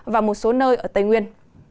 và một số nơi ở tây nguyên